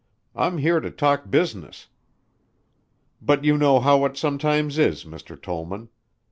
I'm here to talk business, but you know how it sometimes is, Mr. Tollman.